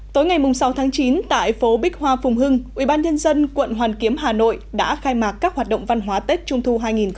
tối ngày sáu tháng chín tại phố bích hoa phùng hưng ubnd quận hoàn kiếm hà nội đã khai mạc các hoạt động văn hóa tết trung thu hai nghìn hai mươi